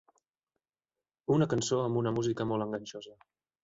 Una cançó amb una música molt enganxosa.